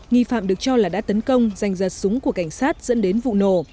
nghi phạm được cho là đã tấn công dành ra súng của cảnh sát dẫn đến vụ nổ